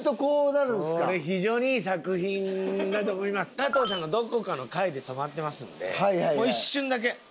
加藤さんがどこかの階で止まってますのでもう一瞬だけ。